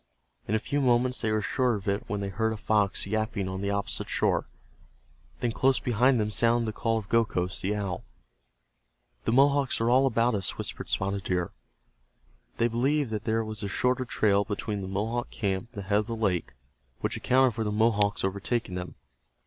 In a few moments they were sure of it when they heard a fox yapping on the opposite shore. Then close behind them sounded the call of Gokhos, the owl. "The Mohawks are all around us," whispered Spotted Deer. They believed that there was a shorter trail between the Mohawk camp and the head of the lake, which accounted for the Mohawks overtaking them.